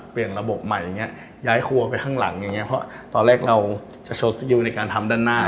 เปลี่ยนระบบใหม่ย้ายครัวไปข้างหลังเพราะตอนแรกเราจะโชว์สกิลในการทำด้านหน้า